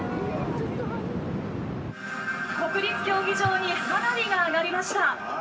「国立競技場に花火が上がりました」。